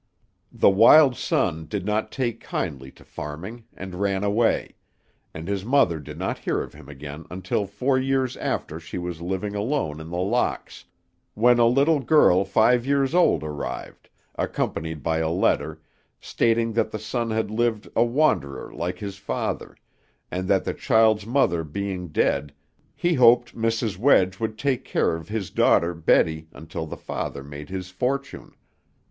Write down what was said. The wild son did not take kindly to farming, and ran away; and his mother did not hear of him again until four years after she was living alone in The Locks, when a little girl five years old arrived, accompanied by a letter, stating that the son had lived a wanderer like his father, and that the child's mother being dead, he hoped Mrs. Wedge would take care of his daughter Betty until the father made his fortune.